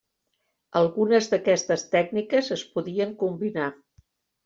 Algunes d'aquestes tècniques es podien combinar.